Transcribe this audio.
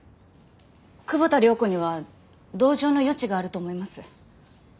久保田涼子には同情の余地があると思います。